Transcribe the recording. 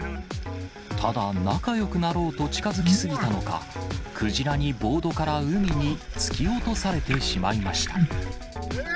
ただ、仲よくなろうと近づき過ぎたのか、クジラにボードから海に突き落とされてしまいました。